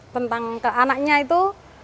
tentang anaknya itu